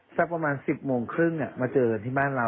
สักประมาณ๑๐โมงครึ่งมาเจอกันที่บ้านเรา